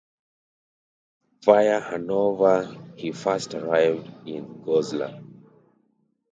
Via Hanover he first arrived in Goslar.